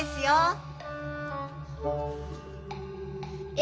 え